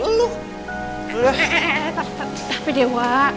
eh eh eh eh tapi dewa